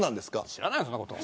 知らないよ、そんなこと。